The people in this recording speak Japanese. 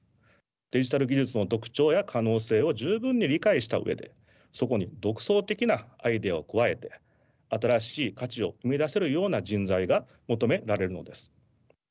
デジタル技術の特徴や可能性を十分に理解した上でそこに独創的なアイデアを加えて新しい価値を生み出せるような人材が求められるのです。